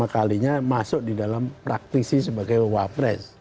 pertama kalinya masuk di dalam praktisi sebagai wakil presiden